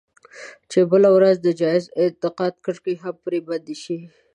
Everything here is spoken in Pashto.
چې بله ورځ د جايز انتقاد کړکۍ هم پرې بنده شي.